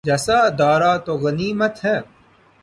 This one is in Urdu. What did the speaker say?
جیسا ادارہ تو غنیمت ہے۔